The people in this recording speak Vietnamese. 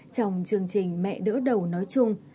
trong chương trình mẹ đỡ đầu nói chung